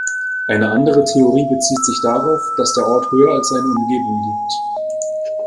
Eine andere Theorie bezieht sich darauf, dass der Ort höher als seine Umgebung liegt.